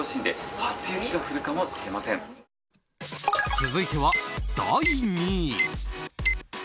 続いては第２位。